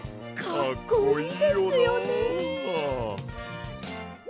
かっこいいですよね！